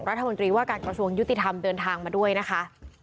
รัฐมนตรีว่าการกระทรวงยุติธรรมเดินทางมาด้วยนะคะ